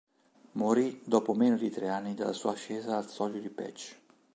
Morì dopo meno di tre anni dalla sua ascesa al soglio di Peć.